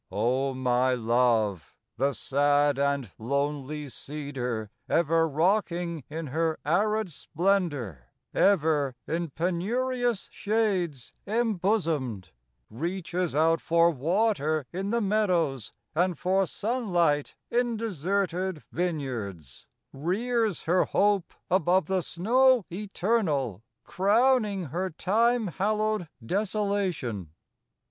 O my Love, the sad and lonely Cedar, Ever rocking in her arid splendor, Ever in penurious shades embosomed, Reaches out for water in the meadows 43 And for sunlight in deserted vineyards;— Rears her hope above the snow eternal Crowning her Time hallowed desolation.